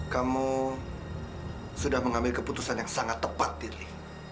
kamu sudah mengambil keputusan yang sangat tepat ini